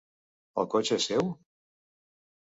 El cotxe és seu?